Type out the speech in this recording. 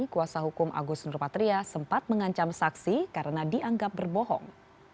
kuasa hukum agus nurpatria sempat mengancam saksi karena dianggap berbohong